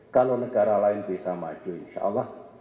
kalau negara lain bisa maju insyaallah